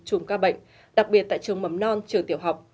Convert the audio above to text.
chùm ca bệnh đặc biệt tại trường mầm non trường tiểu học